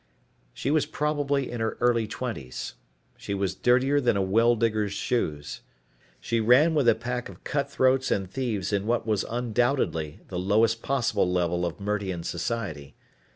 She was probably in her early twenties. She was dirtier than a well digger's shoes. She ran with a pack of cutthroats and thieves in what was undoubtedly the lowest possible level of Mertian society.